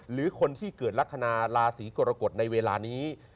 หรือคนที่เกิดลักษณะราศีกรกฎในเวลานี้